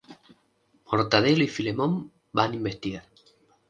Mortadelo y Filemón van a investigar.